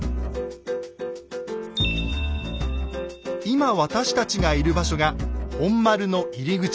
今私たちがいる場所が本丸の入り口。